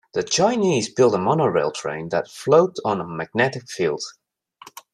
The Chinese built a monorail train that floats on a magnetic field.